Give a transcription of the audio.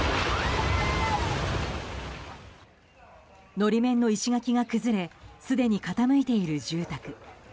法面の石垣が崩れすでに傾いている住宅。